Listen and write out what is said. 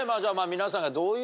皆さんが。